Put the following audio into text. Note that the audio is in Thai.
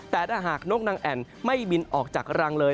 แต่ถ้าหากนกนางแอ่นไม่บินออกจากรังเลย